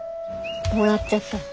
もらっちゃった。